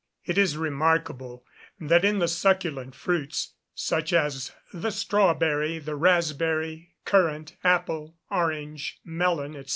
It is remarkable that in the succulent fruits, such as the strawberry, the raspberry, currant, apple, orange, melon, &c.